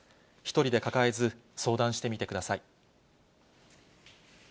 １人で抱えず、相談してみてください。